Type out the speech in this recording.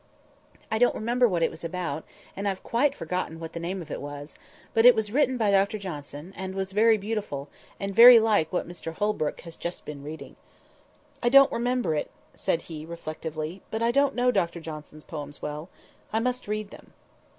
"I don't remember what it was about, and I've quite forgotten what the name of it was; but it was written by Dr Johnson, and was very beautiful, and very like what Mr Holbrook has just been reading." "I don't remember it," said he reflectively. "But I don't know Dr Johnson's poems well. I must read them."